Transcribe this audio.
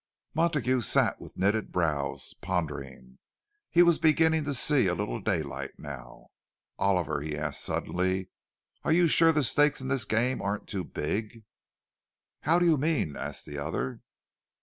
Montague sat with knitted brows, pondering. He was beginning to see a little daylight now. "Oliver," he asked suddenly, "are you sure the stakes in this game aren't too big?" "How do you mean?" asked the other.